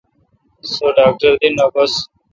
سو ڈاکٹر دی نہ گھوس۔